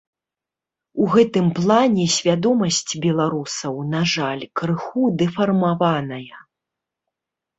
У гэтым плане свядомасць беларусаў, на жаль, крыху дэфармаваная.